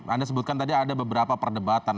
anda sebutkan tadi ada beberapa perdebatan